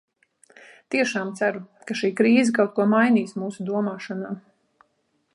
Tiešām ceru, ka šī krīze kaut ko mainīs mūsu domāšanā.